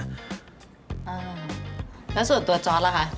แล้วส่วนตัวจอสละค่ะ